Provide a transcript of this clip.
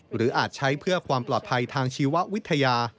อาจใช้เพื่อความปลอดภัยทางชีววิทยา